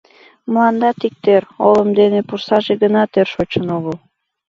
Мландат иктӧр, олым дене пурсаже гына тӧр шочын огыл.